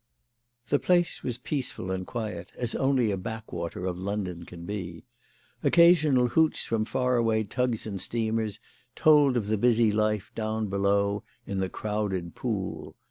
The place was peaceful and quiet, as only a backwater of London can be. Occasional hoots from far away tugs and steamers told of the busy life down below in the crowded Pool.